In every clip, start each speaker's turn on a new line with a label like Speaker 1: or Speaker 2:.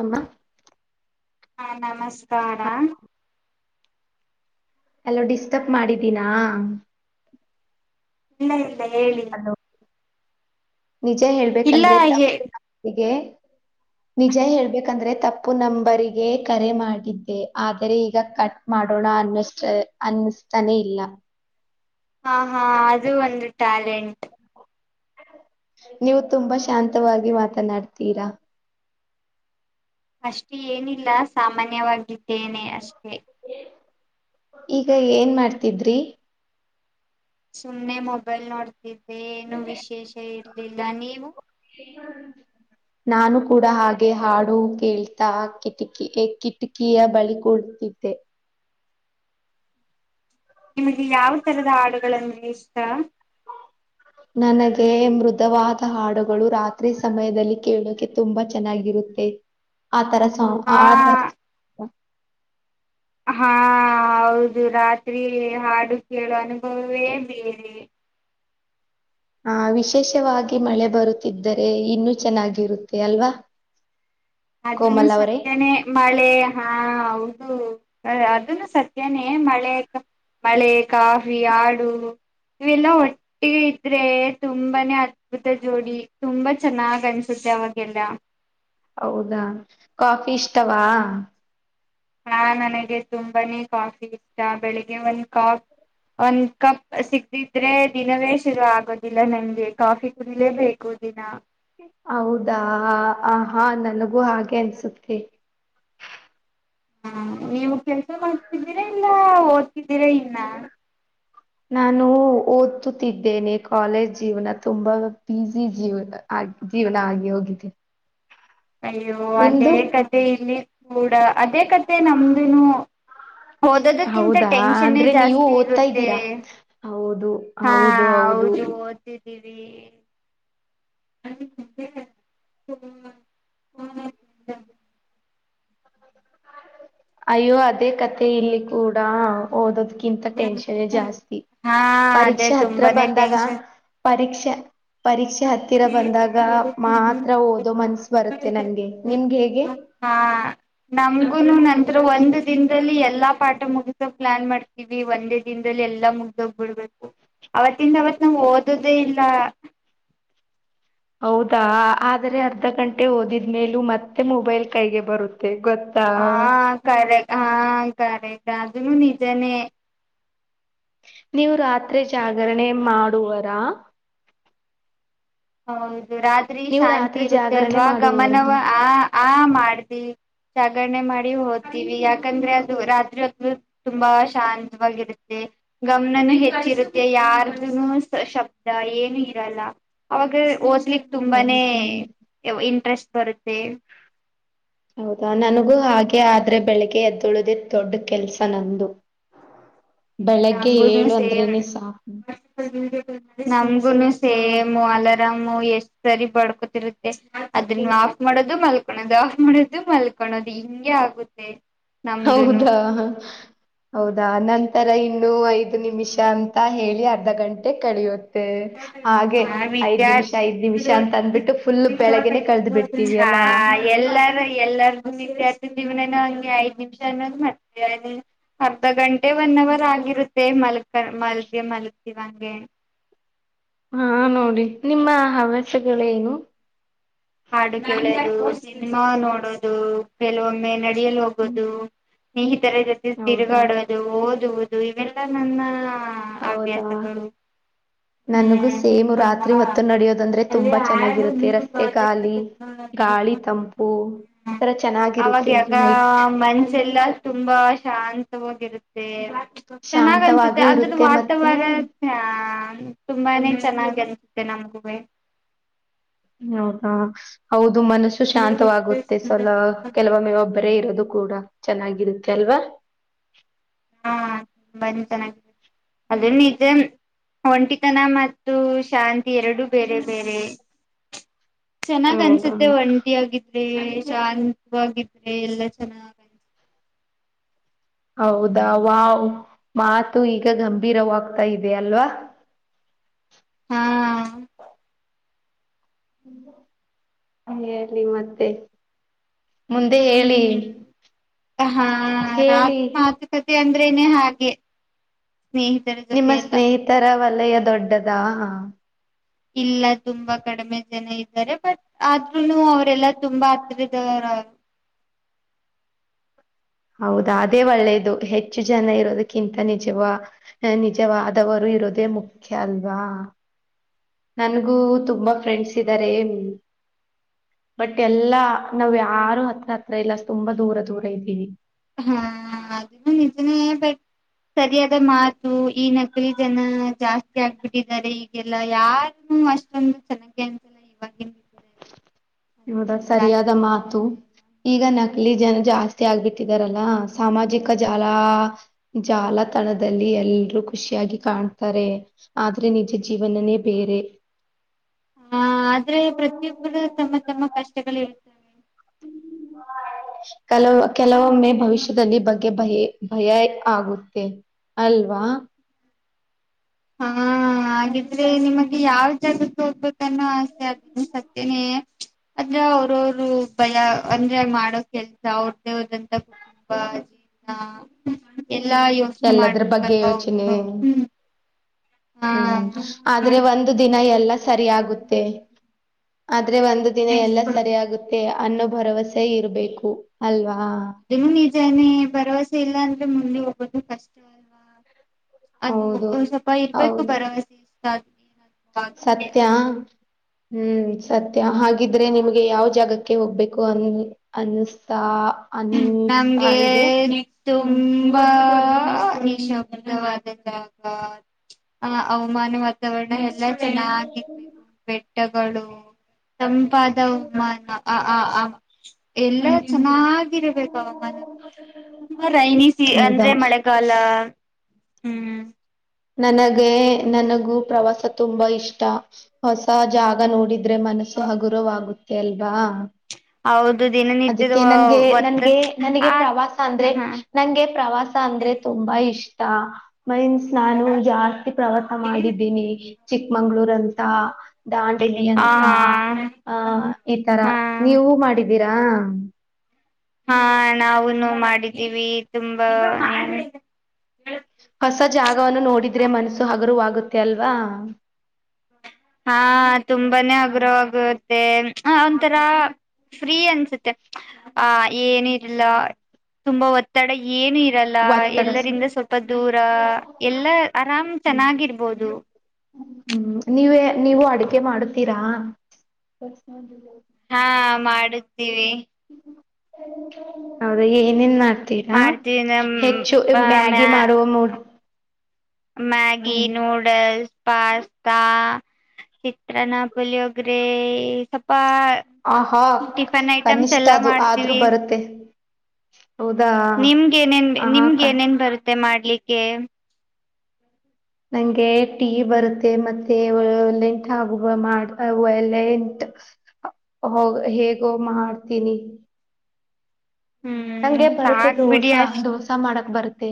Speaker 1: ಅಮ್ಮ
Speaker 2: ಹಾ ನಮಸ್ಕಾರ
Speaker 1: ಎಲ್ಲ ಡಿಸ್ಟರ್ಬ್ ಮಾಡಿದ್ದೀನಾ
Speaker 2: ಇಲ್ಲ ಇ ಎಲ್ಲ ಹೇಳಿ
Speaker 1: ಹಲೋ. ನಿಜ
Speaker 2: ಇಲ್ಲ
Speaker 1: ಹೇಳ್ಬೇಕಂದ್ರೆ
Speaker 2: ಹೇ
Speaker 1: ತಪ್ಪಿಗೆ ನಿಜ ಹೇಳ್ಬೇಕಂದ್ರೆ ತಪ್ಪು ನಂಬರಿಗೆ ಕರೆ ಮಾಡಿದ್ದೆ ಆದ್ರೆ ಈಗ ಕಟ್ ಮಾಡೋಣ ಅನ್ನಷ್ಟ ಅನ್ನಿಸ್ತಾನೆ ಇಲ್ಲ
Speaker 2: ಹಾ ಹಾ ಅದು ಒಂದು ಟ್ಯಾಲೆಂಟ್
Speaker 1: ನೀವು ತುಂಬಾ ಶಾಂತವಾಗಿ ಮಾತನಾಡ್ತೀರಾ
Speaker 2: ಅಷ್ಟೇ ಏನಿಲ್ಲ ಸಾಮಾನ್ಯವಾಗಿದ್ದೇನೆ ಅಷ್ಟೇ
Speaker 1: ಈಗ ಏನ್ ಮಾಡ್ತಿದ್ರಿ
Speaker 2: ಸುಮ್ಮ್ನೆ ಮೊಬೈಲ್ ನೋಡ್ತ ಏನು ವಿಶೇಷ ಹೇಳ ಇಲ್ಲ ನೀವು
Speaker 1: ನಾನು ಕೂಡ ಹಾಗೆ ಹಾಡು ಕೇಳ್ತಾ ಕಿಟಕಿ ಕಿಟಕಿಯ ಬಳಿ ಕೂಳಿತ್ತಿದ್ದೆ
Speaker 2: ನಿಮಗೆ ಯಾವ ತರದ ಹಾಡುಗಳಂದ್ರೆ ಇಷ್ಟ
Speaker 1: ನನಗೆ ಮೃದುವಾದ ಹಾಡುಗಳು ರಾತ್ರಿ ಸಮಯದಲ್ಲಿ ಕೇಳೋಕೆ ತುಂಬಾ ಚೆನ್ನಾಗಿರುತ್ತೆ ಆ ತರ ಹ
Speaker 2: ಹಾ
Speaker 1: ಆ ತರ
Speaker 2: ಹಾ ಹೌದು ರಾತ್ರಿ ಹಾಡು ಕೇಳೋ ಅನುಭವವೇ ಬೇರೆ
Speaker 1: ಹಾ ವಿಶೇಷವಾಗಿ ಮಳೆ ಬರುತ್ತಿದ್ದರೆ ಇನ್ನುೂ ಚೆನ್ನಾಗಿರುತ್ತೆ ಅಲ್ವಾ
Speaker 2: ಅದನು
Speaker 1: ಕೋಮಲ್ ಅವರೇ
Speaker 2: ಸತ್ಯನೇ ಮಳೆ ಹಾ ಹೌದು ಅದನ್ನು ಸತ್ಯನೇ ಮಳೆ ಮಳೆ ಕಾಫಿ ಹಾಡು ಇವೆಲ್ಲಾ ಒಟ್ಟಿಗೆ ಇದ್ರೆ ತುಂಬಾನೇ ಅದ್ಭುತ ಜೋಡಿ ತುಂಬಾ ಚೆನ್ನಾಗ್ ಅನ್ಸುತ್ತೆ ಅವಾಗೆಲ್ಲ
Speaker 1: ಹೌದಾ ಕಾಫಿ ಇಷ್ಟವಾ
Speaker 2: ಹಾ ನನಗೆ ತುಂಬಾನೇ ಕಾಫಿ ಇಷ್ಟ ಬೆಳಿಗ್ಗೆ ಒಂದ್ ಕಪ್ ಒಂದ್ ಕಪ್ ಸಿಗದಿದ್ರೆ ದಿನವೇ ಶುರು ಆಗೋದಿಲ್ಲ ನಂಗೆ ಕಾಫಿ ಕುುದಲೇಬೇಕು ದಿನ
Speaker 1: ಹೌದಾ ಆ ಹಾ ನನಗೂ ಹಾಗೆ ಅನ್ಸುತ್ತೆ
Speaker 2: ಹಾ ನೀವು ಕೆಲ್ಸ ಮಾಡತಿದ್ದೀರಾ ಇಲ್ಲ ಓದ್ತಿದ್ದೀರಾ ಇನ್ನ
Speaker 1: ನಾನು ಓದ್ತುತ್ತಿದ್ದೇನೆ ಕಾಲೇಜ್ ಜೀವನ ತುಂಬಾ ಬಸಿ ಜೀವ ಆಗ ಜೀವನ ಆಗಿ ಹೋಗಿದೆೆ
Speaker 2: ಅಯ್ಯೋ ಅದೇ ಕಥೆ ಇಲ್ಲಿ ಮುಡ [unintelligible] ಅದೇ ಕತೆ ನಮ್ದುನು ಓದೋದಕ್ಕಿಂತ
Speaker 1: ಹೌದಾ
Speaker 2: ಟೆಂಕ್ಷನ್ನೇ
Speaker 1: ಅಂದ್ರೆ ನೀವು
Speaker 2: ಜಾಸ್ತಿ
Speaker 1: ಓದ್ತಾ
Speaker 2: ಇರುತ್ತೆ
Speaker 1: ಇದ್ದೀರಾ ಹೌದು
Speaker 2: ಹಾ
Speaker 1: ಹೌದು
Speaker 2: ಹೌದು ಓ ದವಿ [unintelligible] [unintelligible]
Speaker 1: ಅಯ್ಯೋ ಅದೇ ಕತೆ ಇಲ್ಲಿ ಕೂಡ ಓದ್ದ್ ಕಿಂತ ಟೆನ್ಷನ್ ಜಾಸ್ತಿ
Speaker 2: ಹಾ ಅದೇ
Speaker 1: ಪರೀಕ್ಷೆ ಹತ್ರ
Speaker 2: ತುಂಬಾನೇ
Speaker 1: ಬಂದಾಗ
Speaker 2: ಟೆನ್ಷನ್
Speaker 1: ಪರೀಕ್ಷೆ ಪರೀಕ್ಷೆ ಹತ್ತಿರ ಬಂದಾಗ ಮಾತ್ರ ಓದೋ ಮನ್ಸ್ ಬರುತ್ತೆ ನಂಗೆ ನಿಮ್ಗೆ ಹೇಗೆ
Speaker 2: ನಮಗುನು ನಂತ್ರ ಒಂದ ದಿನದಲ್ಲಿ ಎಲ್ಲಾ ಪಾಠ ಮು ಮುಗ್ಸೋ ಪ್ಲಾನ್ ಮಾಡ್ತೀವಿ ಒಂದೇ ದಿನದಲ್ಲಿ ಎಲ್ಲಾ ಮುಗ್ದೋಗ್ಬಿಡ್ಬೇಕು ಅವತ್ತಿಂದ ಅವತ್ ನಾವ್ ಓದೊದೇ ಇಲ್ಲ
Speaker 1: ಹೌದಾ ಆದ್ರೆ ಅರ್ಧ ಗಂಟೆ ಓದಿದ್ಮೇಲು ಮತ್ತೆ ಮೊಬೈಲ್ ಕೈಗೆ ಬರುತ್
Speaker 2: ಹಾ ಕರೆಟ್ ಹಾ ಕರೆಟ್ ಅದುನು ನಿಜಾನೇ
Speaker 1: ನೀವು ರಾತ್ರಿ ಜಾಗರಣೆ ಮಾಡುವರಾ
Speaker 2: ಹೌದು ರಾತ್ರಿ
Speaker 1: ನೀವು
Speaker 2: ಶಾಂತಿ
Speaker 1: ರಾತ್ರಿ
Speaker 2: ಇರುತ್ತೆ
Speaker 1: ಜಾಗರಣೆ
Speaker 2: ಅಲ್ವಾ
Speaker 1: ಮಾಡುವವರಾ
Speaker 2: ಗಮನವ ಆ ಆ ಮಾಡ್ತಿವಿ ಜಾಗರಣೆ ಮಾಡಿ ಓದದ್ತೀವಿ ಯಾಕಂದ್ರೆ ಅದು ರಾತ್ರಿಹೊತ್ತು ತುಂಬಾ ಶಾಂತವಾಗಿರುತ್ತೆ ಗಮನನು ಹೆಚ್ಚಿರುತ್ತೆ ಯಾರದುನು ಶಬ್ದ ಏನು ಇರಲ್ಲ ಅವಾಗ ಓದ್ [unintelligible] ತುಂಬಾನೇ
Speaker 1: ಹೌದಾ
Speaker 2: ಇವ್ ಇಂಟ್ರೆಸ್ಟ್ [unintelligible]
Speaker 1: ಹೌದಾ ನನಗೂ ಹಾಗೆ [unintelligible] ಆದ್ರೆ ಬೆಳಿಗ್ಗೆ ಎದ್ದಳುದೇ ದೊಡ್ ಕೆಲ್ಸ ನಂದು ಬೆಳಗ್ಗೆ
Speaker 2: ನಂಗೂನು
Speaker 1: ಏಳು
Speaker 2: ಸೇಮ್
Speaker 1: ಅಂದ್ರೇನೆ ಸಾಕು
Speaker 2: [inaudible] ನಂಗೂನು ಸೇಮು ಅಲರಾಮು ಎಷ್ಟ್ ಸರಿ ಬಡ್ಕೊತಿರುತ್ತೆ ಅದ್ರನ್ನ ಆಫ್ ಮಾಡೋದು ಮಲ್ಕಳೋದು ಆಫ್ ಮಾಡೋದು ಮಲ್ಕಳೋದು ಹಿಂಗಗೆ ಆಗುತ್ತೆ ನಮ್ದುನು
Speaker 1: ಹೌದಾ ಹೌದಾ ನಂತರ ಏನ್ ಇನ್ನು ಐದು ನಿಮಿಷ ಅಂತ ಹೇಳಿ ಅರ್ಧ ಗಂಟೆ ಕಳಿಯುತ್ [unintelligible]
Speaker 2: ಹಾ ವಿಚಾರ್
Speaker 1: ಐದ್ ನಿಮಿಷ ಅಂತ ಅಂದ್ಬಿಟ್ಟು ಫುಲ್ ಬೆಳಗ್ಗೆನೆ ಕಳ್ದ್
Speaker 2: [unintelligible]
Speaker 1: ಬಿಡ್ತೀವಿ
Speaker 2: ಹಾ
Speaker 1: ಅಲ್ಲಾ.
Speaker 2: ಎಲ್ಲಾರ ಎಲ್ಲಾರಗು ವಿಚಾರ್ಸ್ [unintelligible] ಹಂಗೆ ಐದ್ ನಿಮಿಷ ಅನ್ನೋದ್ ಮತ್ತ ಅರ್ಧ ಗಂಟೆ ಒನ್ ಅವರ್ ಆಗಿರುತ್ತೆ ಮಲ್ಕ ಮಲ್ಗೆ ಮಲ್ಗ್ತಿವಂಗೆ
Speaker 1: ಹಾ ನೋಡಿ ನಿಮ್ಮ ಹವ್ಯಾಸಗಳೇನು
Speaker 2: ಹಾಡು ಕೇಳದು ಸಿನಿಮಾ ನೋಡೋದು ಕೆಲವೊಮ್ಮೆ ನ [unintelligible]
Speaker 1: ಹ್ಮ್
Speaker 2: ಹೋಗೋದು ಸ್ನೇಹಿತರ ಜೊತೆ
Speaker 1: ಹೌದಾ
Speaker 2: ತಿರುಗಾಡೋದು ಇವೆಲ್ಲಾ ನನ್ನ
Speaker 1: ಹೌದಾ
Speaker 2: ಹವ್ಯಾಸಗಳು
Speaker 1: ನನ್ಗೂ
Speaker 2: ಹ್ಮ್
Speaker 1: ಸೇಮ್
Speaker 2: ಹೌದಾ
Speaker 1: ರಾತ್ರಿ ಹೊತ್ತು ನಡೆಯೋದಂದ್ರೆ ತುಂಬಾ ಚೆನ್ನಾಗಿರುತ್ತೆ ರಸ್ತೆ ಗಾಳ್
Speaker 2: [unintelligible]
Speaker 1: ಈತರ ಚೆನ್ನಾಗಿರುತ್ತೆ
Speaker 2: ಅವಾಗ್ಯಗ
Speaker 1: ನೈಟ್
Speaker 2: ಮನ್ಸೆಲ್ಲ ತುಂಬಾ ಶಾಂತ್ ವಾಗಿರುತ್ತೆ [unintelligible] ಚೆನ್ನಾಗ್ ಅನ್ಸುತ್ತೆ
Speaker 1: ಶಾಂತವಾಗಿಯೂ
Speaker 2: ಅದ್ರ
Speaker 1: ಇರುತ್ತೆ
Speaker 2: ವಾತಾವರ
Speaker 1: ಮತ್ತೆ
Speaker 2: [unintelligible] ತುಂಬಾನೇ ಚೆನ್ನಾಗಿ ಅನ್ಸುತ್ತೆ ನಮಗೂವೇ
Speaker 1: ಹೌದಾ ಹೌದ್ ಅದು ಮನಸ್ಸು ಶಾಂತವಾಗುತ್ತೆ ಸಲ ಕೆಲವೊಮ್ಮೆ ಒಬ್ಬರೇ ಇರೋದು ಕೂಡ ಚೆನ್ನಾಗಿರುತ್ತೆ ಅಲ್ವಾ
Speaker 2: ಹಾ ತುಂಬಾನೆ ಚೆನ್ನಾಗ ಇರತ್ತೆ ಅದನ್ನ ಒಂಟಿತನ ಮತ್ತು ಶಾಂತಿ ಎರಡು ಬೇರೆ ಬೇರೆ ಚೆನ್ನಾಗ್
Speaker 1: ಹೌದಾ
Speaker 2: ಅನ್ಸುತ್ತೆ ಒಂಟಿ ಆಗಿದ್ರೆ ಶಾಂತವಾಗಿ ಇದ್ರೆ ಎಲ್ಲಾ ಚೆನ್ನ
Speaker 1: ಹೌದಾ ವಾವ್ ಮಾತು ಈಗ ಗಂಭೀರವಾಗ್ತಾ ಇದೆ ಅಲ್ವಾ
Speaker 2: ಹಾ.
Speaker 1: ಹೇಳಿ ಮತ್ತೆ ಮುಂದೆ ಹೇಳಿ
Speaker 2: ಹ್ಮ್
Speaker 1: ಹೇಳಿ
Speaker 2: ಕನೆ ಹಾಗೆ ಸ್ನೇಹಿತರ
Speaker 1: ನಿಮ್ಮ
Speaker 2: ಜೊತೆ ಎಲ್ಲ
Speaker 1: ಸ್ನೇಹಿತರ ಓಲಯ ದೊಡ್ಡದಾ
Speaker 2: ಇಲ್ಲ ತುಂಬಾ ಕಡಿಮೆ ಜನ ಇದಾ ರೆ ಬಟ್ ಆದ್ರೂನು ಅವರೆಲ್ಲಾ ತುಂಬಾ ಹತ್ರರದವರು
Speaker 1: ಹೌದಾ ಅದೇ ಒಳ್ಳೇದು ಹೆಚ್ಚು ಜನ ಇರೋದಕ್ಕಿಂತ ನಿಜವ ನಿಜವಾದವರು ಇರೋದೇ ಮುಖ್ಯ ಅಲ್ವಾ. ನನ್ಗೂ ತುಂಬಾ ಫ್ರೆಂಡ್ಸ್ ಇದ್ದಾರೆ ಬಟ್ ಎಲ್ಲಾ ನಾವ್ ಯಾರು ಹತ್ರ ಹತ್ರ ಇಲ್ಲ ತುಂಬಾ ದೂರ ದೂರ ಇದ್ದೀವಿ.
Speaker 2: ಹಾ ಅದನ್ನು ನಿಜನೇ ಬಟ್ ಸರಿಯಾದ ಮಾತ್ ಈ ನಕಲಿ ಜನ ಜಾಸ್ತಿ ಆಗ್ಬಿಟ್ಟಿದ್ದಾರೆ ಈಗೆಲ್ಲ ಯಾರನು ಅಷ್ಟೊಂದು ಚೆನ್ನಾಗ ಅನ್ಸಲ್ಲ ಇವಾಗಿನ ಇದರಲ್ಲಿ
Speaker 1: ಹೌದ
Speaker 2: ಅದಕ್ಕೆ
Speaker 1: ಸರಿಯಾದ
Speaker 2: ಜಾಸ್ತಿ
Speaker 1: ಮಾತು
Speaker 2: ಜನ ಇಲ್ಲ
Speaker 1: ಈಗ ನಕಲಿ ಜನ ಜಾಸ್ತಿ ಆಗ್ಬಿಟ್ಟಿದಾರಲ್ಲ ಸಾಮಾಜಿಕ ಜಾಲ ಜಾಲತಾಣದಲ್ಲಿ ಎಲ್ರೂ ಖುಷಿಯಾಗಿ ಕಾಣ್ತಾರೆ ಆದ್ರೆ ನಿಜ ಜೀವನನೇ ಬೇರೆ.
Speaker 2: ಹ ಆದ್ರೆ ಪ್ರತಿಯೊಬ್ಬರು ತಮ್ಮ ತಮ್ಮ ತಮ್ಮ ಕಷ್ಟಗಳ ಸರಿ.
Speaker 1: ಕೆಲ ಕೆಲವೊಮ್ಮೆ ಭವಿಷ್ಯದಲ್ಲಿ ಬಗೆ ಬಗೆಯ ಭಯ ಆಗುತ್ತೆ ಅಲ್ವಾ
Speaker 2: ಹಾ ಹಾಗಿದ್ರೆ ನಿಮಗೆ ಯಾವ್ ಜಾಗಕ್ಕೆ ಹೋಗ್ಬೇಕನ್ನೋ ಆಸೆ ಅದನ್ನು ಸತ್ತೇನೆ ಅಂದ್ರ ಅವ್ರವರು ಭಯ ಅಂದ್ರೆ ಮಾಡೋ ಕೆಲ್ಸ ಅವ್ರ್ದೇವ್ದಂತ ಕುಟುಂಬ ಜೀವನ ಎಲ್ಲಾ ಯೋಚನೆ
Speaker 1: ಎಲ್ಲದ್ರ ಬಗ್ಗೆ
Speaker 2: ಮಾಡ್ಬೇಕಲ್ವಾ
Speaker 1: ಯೋಚನೆ
Speaker 2: ಅವರುನು ಹ್ಮ್ ಹಾ
Speaker 1: ಹ್ಮ್ ಆದ್ರೆ ಒಂದು ದಿನ ಎಲ್ಲ ಸರಿ ಆಗುತ್ತೆ ಆದ್ರೆ ಒಂದು ದಿನ ಎಲ್ಲಾ ಸರಿ ಆಗುತ್ತೆ ಅನ್ನೋ ಭರವಸೆ ಇರಬೇಕು ಅಲ್ವಾ
Speaker 2: ಅನ್ನು ನಿಜಾನೇ ಭರವಸೆ ಇಲ್ಲ ಅಂದ್ರೆ ಮುಂದೆ ಹೋಗ ಒಂದ ಕಷ್ಟ ಅಲ್ವಾ
Speaker 1: ಹೌದು
Speaker 2: ಅದು ಸ್ವಲ್ಪ ಇರ್ಬೇಕು
Speaker 1: ಹೌದು
Speaker 2: ಭರವಸೆ [unintelligible]
Speaker 1: ಸತ್ಯ
Speaker 2: ಅನ್ನೋ
Speaker 1: ಹ್ಮ್ ಸತ್ಯ ಹಾಗಿದ್ರೆ ನಿಮ್ಗೆ ಯಾವ ಜಾಗಕ್ಕೆ ಹೋಗ್ಬೇಕು ಅನ್ ಅನ್ಸಾತಾ ಅನಸ್ತ
Speaker 2: ನಮ್ಗೆ
Speaker 1: ಇದೆ
Speaker 2: ತುಂಬಾ ನಿಶಬ್ದವಾದ ಜಾಗ ಆ ಹವಮಾನವಾದ ವಾತಾವರ್ಣ ಎಲ್ಲಾ ಚೆನ್ನಾಗಿರ್ಬೇಕು ಬೆ ಬೆಟ್ಟಗಳು ತಂಪಾದ ವಾ ಹ ಹ ಎಲ್ಲ ಚೆನ್ನಾಗ ಹೆಂಗ ಇರಬೇಕ ಹವಾಮಾನ ತುಂಬಾ ರೈನಿ ಸೀಸ್
Speaker 1: ಹೌದಾ
Speaker 2: ಅಂದ್ರೆ ಮಳೆಗಾಲ ಹ್ಮ್
Speaker 1: ನನಗೆ ನನಗೂ ಪ್ರವಾಸ ತುಂಬಾ ಇಷ್ಟ ಹೊಸ ಜಾಗ ನೋಡಿದ್ದ ದ್ರೆ ಮನಸ್ಸು ಹಗುರವಾಗುತ್ತೆ ಯೆಲ್ಲವ
Speaker 2: ಹೌದು ದಿನನಿತ್ಯದ
Speaker 1: ಅದಕ್ಕೆ ನನ್ಗೆ
Speaker 2: ಒತ್ತ
Speaker 1: ನನ್ಗೆ ನನಗೆ
Speaker 2: ಆ
Speaker 1: ಪ್ರವಾಸ ಅಂದ್ರೆ
Speaker 2: ಹಾ
Speaker 1: ನಂಗೆ ಪ್ರವಾಸ ಅಂದ್ರೆ ತುಂಬಾ ಇಷ್ಟ [unintelligible] ನಾನು ಜಾಸ್ತಿ ಪ್ರವಾಸ ಮಾಡಿದ್ದೀನಿ. ಚಿಕ್ಕಮಂಗಳೂರ ಅಂತ ದಾಂಡಲಿ
Speaker 2: ಆ
Speaker 1: ಅಂತ ಆ ಈ ತರ
Speaker 2: ಹಾ
Speaker 1: ನೀವು ಮಾಡಿದ ಇದ್ದೀರಾ
Speaker 2: ಹಾ ನಾವುನು ಮಾಡಿದ್ದೀವಿ ತುಂಬಾ
Speaker 1: ಹೊಸ ಜಾಗವನ್ನು ನೋಡಿದ್ರೆ ಮನಸ್ಸು ಹಗರಾಗುತ್ತೆ ಅಲ್ವಾ
Speaker 2: ಹಾ ತುಂಬಾನೇ ಹಗುರವಾಗುತ್ತೆ ಹ ಒಂಥರ ಫ್ರೀ ಅನ್ಸುತ್ತೆ ಆ ಎನ್ನಿಲ್ಲ ತುಂಬಾ ಒತ್ತಡ ಏನು ಇರಲ್ಲ
Speaker 1: ಒತ್ತಡ ಸ
Speaker 2: ಎಲ್ಲರಿಂದ ಸ್ವಲ್ಪ ದೂರ ಎಲ್ಲಾ ಆರಾಮ್
Speaker 1: ಹ್ಮ್
Speaker 2: ಚೆನ್ನಾಗಿರ್ಬೋದು
Speaker 1: ಹ್ಮ್ ನೀವೇ ನೀವು ಅಡಗೆ ಮಾಡತೀರಾ?
Speaker 2: ಹಾ ಮಾಡ ತಿವಿ
Speaker 1: ಹೌದ ಏನನ್ ಮಾಡ್ತೀರಾ
Speaker 2: ಮಾಡ್ತೀವಿ ನಮ್
Speaker 1: ಹೆಚ್ಚು ಮ್ಯಾಗಿ
Speaker 2: ಮ್ಯಾ
Speaker 1: ಮಾಡುವ ಮೂ
Speaker 2: ಮ್ಯಾಗಿ,
Speaker 1: ಹ್ಮ್.
Speaker 2: ನೂಡಲ್ಸ್ ಪಾಸ್ತಾ ಚಿತ್ರನ ಪುಳಿಯೋಗರೆ ಸಪಾ
Speaker 1: ಆಹಾ ಕನಿಷ್ಠ ಅದು ಆದ್ರೂ
Speaker 2: ಮಾಡ್ತೀವಿ
Speaker 1: ಬರುತ್ತೆ [inaudible]
Speaker 2: ನಿಮ್ಗೆ ನೇನ್
Speaker 1: ಹ ಅಕ್ಕ
Speaker 2: ನಿಮ್ಗೆ ನೇನ್ ಬರುತ್ತ [unintelligible] [inaudible] ಮತ್ತೆ ಮಾಡ್ಲಿಕ್ಕೆ
Speaker 1: ನಂಗೆ ಟೀ ಬರುತ್ತೆ ಮತ್ತೆ ಒಲೆಂಟ್ ಆಗುವ ಮಾಡ ವಲೆಂಟ್ ಹೇಗೋ ಮಾಡ್ತೀನಿ
Speaker 2: ಹ್ಮ್
Speaker 1: ನಂಗೆ ಬರುತ್ತೆ
Speaker 2: ಸಾಕ್ ಬಿಡಿ
Speaker 1: ದೋಸಾ
Speaker 2: ಅಷ್ಟ್
Speaker 1: ದೋಸಾ ಮಾಡಕ್ ಬರ್ತ್ತ ತೇ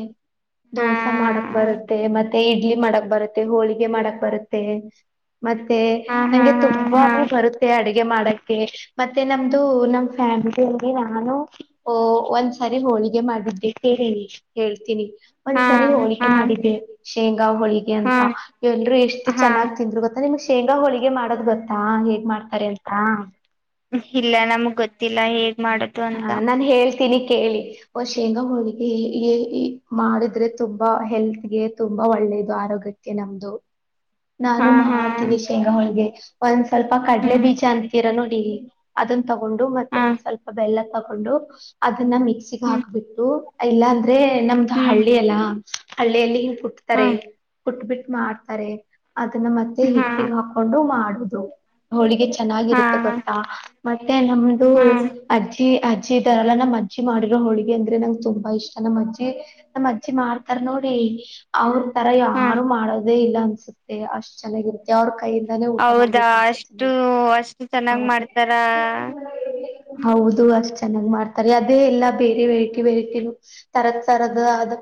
Speaker 2: ಹಾ
Speaker 1: ದೋಸೆ ಮಾಡಕ್ ಬರುತ್ತೆ ಮತ್ತೆ [unintelligible] ಮತ್ತ ಇಡ್ಲಿ ಮಾಡಕ್ ಬರುತ್ತೆ ಹೋಳಿಗೆ ಮಾಡಕ್ ಬರುತ್ತೆ ಮತ್ತೆ
Speaker 2: ಹಾ ಹಾ
Speaker 1: ನಂಗೆ
Speaker 2: ಹಾ
Speaker 1: ತುಂಬಾನೇ ಬರುತ್ತೆ ಅಡುಗೆ [unintelligible] [unintelligible] ಮಾಡಕ್ಕೆ ಮತ್ತೆ ನಮ್ದು ನಮ ಫ್ಯಾಮಿಲಲ್ಲಿ ನಾನು ಓ ಒಂದ್ಸಾರಿ ಹೋಳಿಗೆ ಮಾಡಿದ್ದೆ ಕೇಳಿ ಹೇಳ್ತೀನಿ
Speaker 2: ಹಾ
Speaker 1: ಒಂದ್ಸರಿ ಹೋಳಿಗೆ
Speaker 2: ಹಾ
Speaker 1: ಮಾಡಿದ್ದ ಶೇಂಗಾ ಹೋಳಿಗೆ
Speaker 2: ಹಾ
Speaker 1: ಅಂತ ಎಲ್ರು ಎಷ್ಟ್
Speaker 2: ಹಾ ಹಾ
Speaker 1: ಚೆನ್ನಾಗ್ ತಿಂದ್ರು ಗೊತ್ತ [unintelligible] ಅ ನಿಮ್ಗ್ ಶೇಂಗಾ ಹೋಳಿಗೆ ಮಾಡೋದ್ ಗೊತ್ತಾ ಹೇಗ್ ಮಾಡ್ತಾರೆ ಅಂತ
Speaker 2: ಇಲ್ಲ ನಮಗ್ ಗೊತ್ತಿಲ್ಲ ಹೇ [unintelligible]
Speaker 1: ಹಾ ನಾನ್ ಹೇಳ್ತೀನಿ ಕಿಳಿ ಶೇಂಗಾ ಹೋಳಿಗೆ ಹೇ ಹೇ ಮಾಡಿದ್ರೆ ತುಂಬಾ ಹೆಲ್ತ್ಗೆ ತುಂಬಾ ಒಳ್ಳೇದು ಆರೋಗ್ಯಕ್ಕೆ ನಮ್ದು ನಾನು
Speaker 2: ಹಾ ಹಾ
Speaker 1: ಮಾಡ್ತೀನಿ ಶೇಂಗಾಹಳಗೆ ಪ [inaudible] ಸ್ವಲ್ಪ ಕಡಲೆ
Speaker 2: ಹ್ಮ್
Speaker 1: ಬೀಜಾ ಅಂತೀರನೋಡಿ [unintelligible] [unintelligible] ಅದನ್ನ ತಗೊಂಡು ಮತ್ತೆ
Speaker 2: ಹ
Speaker 1: ಒಂದ್ ಸ್ವಲ್ಪ [unintelligible] ಬೆಲ್ಲ ತಗೊಂಡು ಅದು ಅದನ್ನ ಮಿಕ್ಸಿಗೆ
Speaker 2: ಹ್ಮ್
Speaker 1: ಹಾಕ್ಬಿಟ್ಟು ಇಲ್ಲ ಅ [unintelligible] [unintelligible] ಅದೇ ನಮ್ದು
Speaker 2: ಹ್ಮ್
Speaker 1: ಹಳ್ಳಿ ಎಲ್ಲ ಹಳ್ಳಿಯಲ್ಲಿ ಕುಟ್ತಾರೆ
Speaker 2: ಹ್ಮ್
Speaker 1: ಕುಟ್ಬಿಟ್ಟ ಮಾಡ್ತಾರೆ ಅದನ್ನ ಮತ್ತೆ
Speaker 2: ಹಾ
Speaker 1: ಹಿಟ್ಟಿಗೆ ಹಾಕೊಂಡು ಮಾಡುದು ಹೋಳಿಗೆ
Speaker 2: ಹಾ
Speaker 1: ಚೆನ್ನಾಗಿರುತ್ತೆ ಗೊತ್ತಾ ಮತ್ತೆ ನಮ್ದು
Speaker 2: ಹ್ಮ್
Speaker 1: ಅಜ್ಜಿಅಜ್ಜಿ ಇದರಲ್ಲ ನಮ್ಮ ಅಜ್ಜಿ ಮಾಡರೋ ಹೋಳಿಗೆ ಅಂದ್ರೆ ನಂಗೆ ತುಂಬ [unintelligible] ಬೈ [unintelligible] ನಮ್ಮ್ ಅಜ್ಜಿ ನಮ್ಮ್ ಅಜ್ಜಿ ಮಾಡ್ತಾರ ನೋಡಿ ಅವ್ರ ತರ
Speaker 2: ಹಾ
Speaker 1: ಯಾರು ಮಾಡೋದೇ ಇಲ್ಲ ಅನ್ಸುತ್ತೆ ಅಷ್ಟ್ ಚೆನ್ನಾಗಿರುತ್ತೆ ಅವ್ರ ಕೈಯಿಂದಾನೇ ಊಟ
Speaker 2: ಹೌದಾ
Speaker 1: ಮಾಡ್ಬೇಕ ಅನ್ಸುತ್ತೆ
Speaker 2: ಅಷ್ಟು
Speaker 1: ನಮ್ಗೆ
Speaker 2: ಅಷ್ಟು ಚೆನ್ನಾಗ್ ಮಾಡ್ತಾರ
Speaker 1: [inaudible] ಹೌದು ಅಷ್ಟ ಚೆನ್ನಾಗ್ ಮಾಡ್ತಾರೆ ಅದೇ ಎಲ್ಲಾ ಬೇರೆ ವೆರಟಿ ವೆರಟಿನ ತರದ ತರದ ಆದ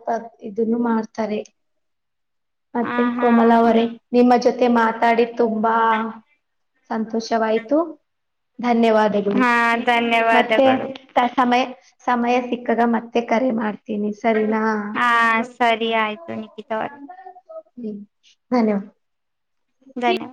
Speaker 1: ಇದನ್ನು ಮಾಡ್ತಾರೆ
Speaker 2: ಹ
Speaker 1: ಮತ್ತೆ
Speaker 2: ಹಾ
Speaker 1: ಕೋಮಲ ಅವರೆ ನಿಮ್ಮ ಜೊತೆ [unintelligible] ಮ [unintelligible] ಮಾತಾಡಿ ತುಂಬಾ ಸಂತೋಷವಾಯ್ತು ಧನ್ಯವಾದಗಳು
Speaker 2: ಹಾ
Speaker 1: ಮತ್ತೆ
Speaker 2: ಧನ್ಯವಾದಗಳು
Speaker 1: ತ ಸಮಯ ಸಮಯ ಸಿಕ್ಕಾಗ ಮತ್ತೆ ಕರೆ ಮಾಡಿ
Speaker 2: ಹಾ ಸರಿ ಆಯ್ತು ನಿಖಿತ ಅವರೆ
Speaker 1: ಹ್ಮ ಧನ್ಯವಾದ
Speaker 2: ಧನ್ಯವಾದ